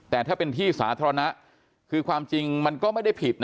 แต่ถ้าเป็นที่สาธารณะคือความจริงมันก็ไม่ได้ผิด